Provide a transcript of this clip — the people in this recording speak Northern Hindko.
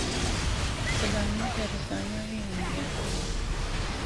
تلائیاں تے رضائیاں وی ہوندیاں سی۔